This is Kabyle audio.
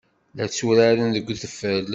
La tturaren deg udfel.